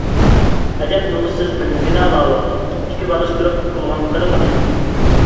ئەجەب نومۇسسىز بىر نېمىكىنا ماۋۇ، ئىككى بالىسى تۇرۇپ قىلغان قىلىقىنى!